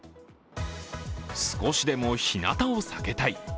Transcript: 少しでも日なたを避けたい。